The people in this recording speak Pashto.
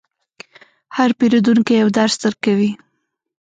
هر پیرودونکی یو درس درکوي.